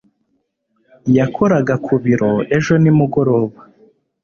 yakoraga ku biro ejo nimugoroba